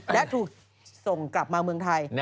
และถูกส่งกลับมาเมืองไทย